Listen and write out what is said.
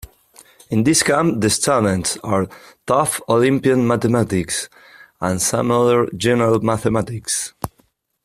In this camp, the students are taught Olympiad mathematics and some other general mathematics.